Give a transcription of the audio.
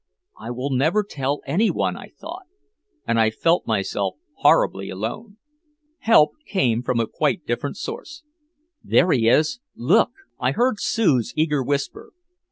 "I will never tell anyone," I thought. And I felt myself horribly alone. Help came from a quite different source. "There he is! Look!" I heard Sue's eager whisper.